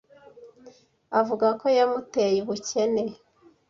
Avuga ko yamuteye ubukene,